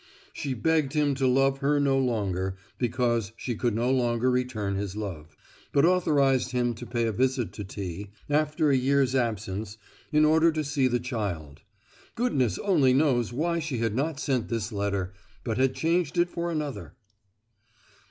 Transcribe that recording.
She begged him to love her no longer, because she could no longer return his love, but authorized him to pay a visit to T—— after a year's absence, in order to see the child. Goodness only knows why she had not sent this letter, but had changed it for another!